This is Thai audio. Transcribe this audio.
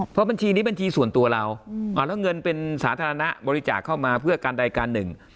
เพราะบัญชีนี้บัญชีส่วนตัวเราแล้วเงินเป็นสาธารณะบริจาคเข้ามาเพื่อการใดการหนึ่ง